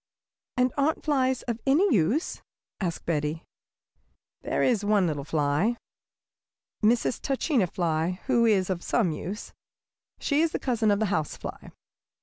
"And aren't flies of any use?" asked Betty. "There is one little fly, Mrs. Tachina Fly, who is of some use. She is a cousin of the house fly.